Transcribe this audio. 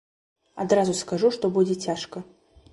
Адразу скажу, што будзе цяжка.